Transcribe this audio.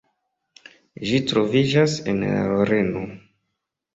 Ĝi troviĝas en la Loreno.